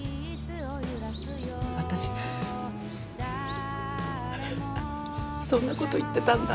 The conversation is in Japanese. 私そんな事言ってたんだ。